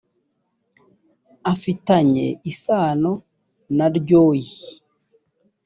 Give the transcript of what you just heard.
afitanye isano naryoi